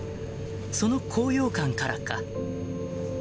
その高揚感からか。